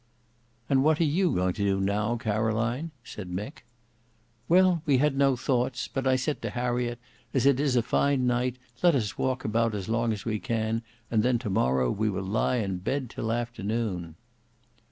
"And what are you going to do now, Caroline?" said Mick. "Well, we had no thoughts; but I said to Harriet, as it is a fine night, let us walk about as long as we can and then to morrow we will lie in bed till afternoon."